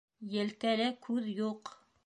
Елкәлә күҙ юҡ.